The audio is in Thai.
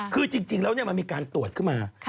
คือจริงแล้วมันมีการตรวจขึ้นมา